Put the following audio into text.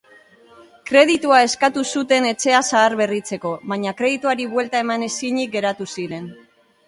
Kreditua eskatu zuten etxea zahar-berritzeko, baina kredituari buelta eman ezinik geratu ziren.